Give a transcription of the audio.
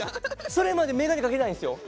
それまでメガネかけてないんですよ？